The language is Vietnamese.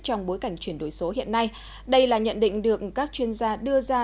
trong bối cảnh chuyển đổi số hiện nay đây là nhận định được các chuyên gia đưa ra